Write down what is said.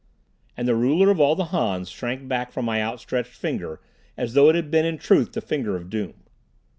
And the ruler of all the Hans shrank back from my outstretched finger as though it had been in truth the finger of doom.